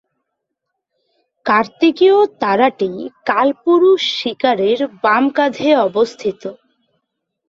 কার্তিকেয় তারাটি কালপুরুষ শিকারীর বাম কাঁধে অবস্থিত।